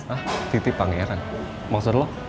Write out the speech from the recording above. hah titip pangeran maksud lo